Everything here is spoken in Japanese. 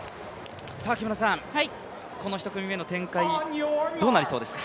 この１組目の展開、どうなりそうですか。